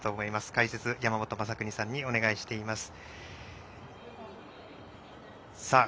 解説は山本昌邦さんにお願いしています。